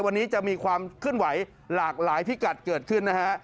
วันนี้จะมีความเคลื่อนไหวหลากหลายพิกัดเกิดขึ้นนะฮะ